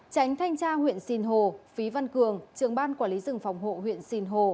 tránh thanh tra huyện sinh hồ phí văn cường trưởng ban quản lý rừng phòng hộ huyện sinh hồ